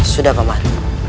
sudah pak man